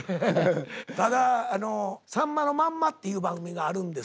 ただ「さんまのまんま」っていう番組があるんですよ。